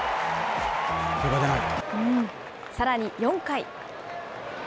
さらに４回。